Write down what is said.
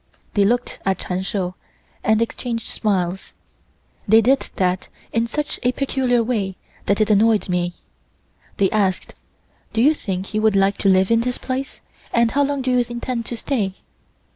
They looked at Chun Shou and exchanged smiles. They did that in such a peculiar way that it annoyed me. They asked: "Do you think you would like to live in this place, and how long do you intend to stay?"